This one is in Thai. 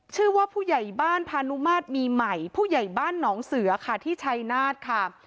ชื่อว่าผู้ใหญ่บ้านพานุมาตรมีใหม่ผู้ใหญ่บ้านหนองเสือค่ะที่ชัยนาธค่ะ